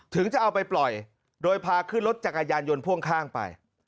จะเอาไปปล่อยโดยพาขึ้นรถจักรยานยนต์พ่วงข้างไป